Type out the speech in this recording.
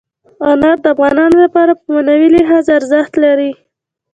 انار د افغانانو لپاره په معنوي لحاظ ارزښت لري.